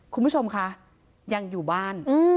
คุณผู้ชมคะยังอยู่บ้าน